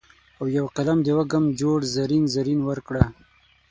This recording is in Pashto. او یو قلم د وږم جوړ زرین، زرین ورکړه